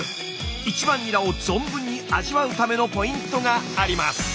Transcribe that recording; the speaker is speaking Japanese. １番ニラを存分に味わうためのポイントがあります。